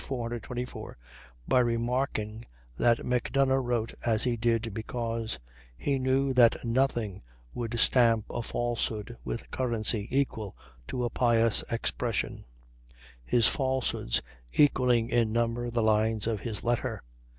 424) by remarking that Macdonough wrote as he did because "he knew that nothing would stamp a falsehood with currency equal to a pious expression, his falsehoods equalling in number the lines of his letter."